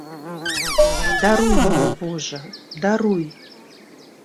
Даруй мне, божа, даруй!